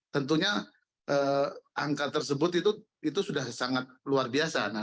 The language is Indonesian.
tentunya angka tersebut itu sudah sangat luar biasa